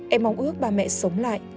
em mong ước ba mẹ sống lại